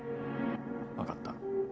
分かった。